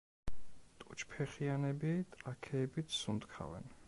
ტუჩფეხიანები ტრაქეებით სუნთქავენ.